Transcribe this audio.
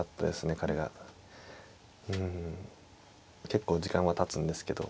結構時間はたつんですけど。